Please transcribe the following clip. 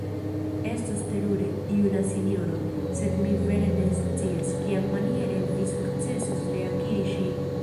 Estus terure, juna sinjoro, sed mi vere ne scias, kiamaniere vi sukcesos reakiri ŝin.